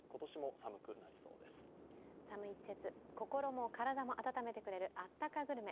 寒い季節、心も体も温めてくれるあったかグルメ。